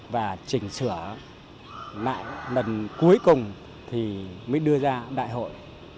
và chỉnh sửa lại lần cuối cùng thì mới đưa ra đại hội